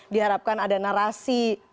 diharapkan ada narasi